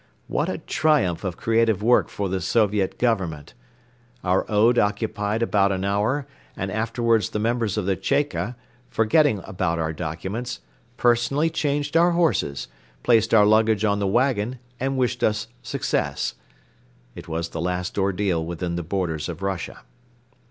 What a triumph of creative work for the Soviet Government! Our ode occupied about an hour and afterwards the members of the "Cheka," forgetting about our documents, personally changed our horses, placed our luggage on the wagon and wished us success. It was the last ordeal within the borders of Russia.